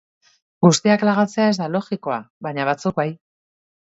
Guztiak lagatzea ez da logikoa, baina batzuk bai.